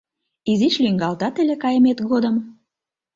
Изиш лӱҥгалтат ыле кайымет годым...